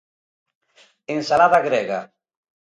Ensalada grega.